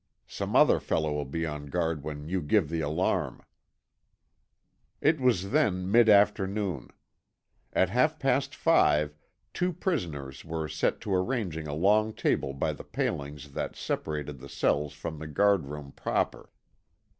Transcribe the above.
Some other fellow will be on guard when you give the alarm." It was then mid afternoon. At half past five two prisoners were set to arranging a long table by the palings that separated the cells from the guard room proper.